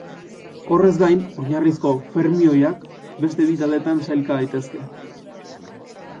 Horrez gain, oinarrizko fermioiak beste bi taldetan sailka daitezke.